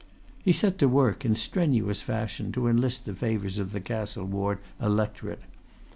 He set to work, in strenuous fashion, to enlist the favours of the Castle Ward electorate.